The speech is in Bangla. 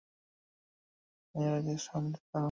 তবে দশ বছর বয়সেই তিনি নিউ ইয়র্কে স্থানান্তরিত হন।